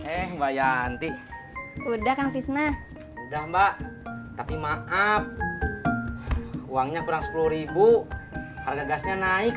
eh mbak yanti udah kang fisnah udah mbak tapi maaf uangnya kurang sepuluh harga gasnya naik